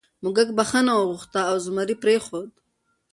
موږک بخښنه وغوښته او زمري پریښود.